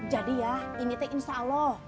jadi ya ini teh insya allah